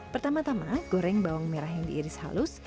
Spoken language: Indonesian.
pertama tama goreng bawang merah yang diiris halus